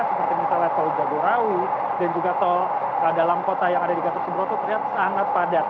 seperti misalnya tol jadurawi dan juga tol dalam kota yang ada di kata sebro itu terlihat sangat padat